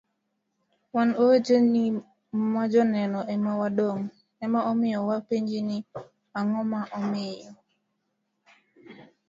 wan oweteni majoneno ema wadong' ema omiyo wapenji ni ang'o momiyo